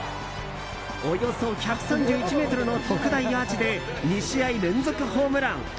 およそ１３１ｍの特大アーチで２試合連続ホームラン。